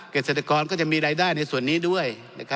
เกษตรกรก็จะมีรายได้ในส่วนนี้ด้วย